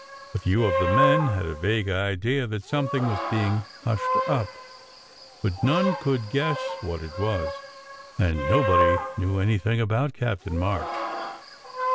A few of the men had a vague idea that something was being "hushed up," but none could guess what it was, and no body knew anything about Captain March.